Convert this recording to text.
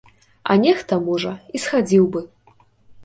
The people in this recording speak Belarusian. А нехта, можа, і схадзіў бы.